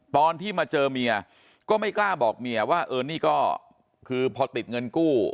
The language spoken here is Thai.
ตอนที่มาเจอเมียก็ไม่กล้าบอกเมียว่าเออนี่ก็คือพอติดเงินกู้